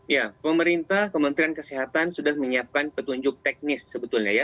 ya pemerintah kementerian kesehatan sudah menyiapkan petunjuk teknis sebetulnya ya